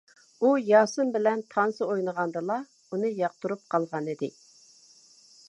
ئۇ ياسىن بىلەن تانسا ئوينىغاندىلا ئۇنى ياقتۇرۇپ قالغانىدى.